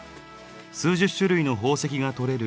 数十種類の宝石が採れる